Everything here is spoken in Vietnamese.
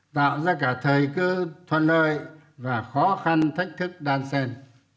tạo ra cả thời cơ thuận lợi và khó khăn thách thức đan sen